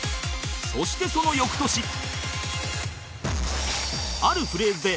そしてその翌年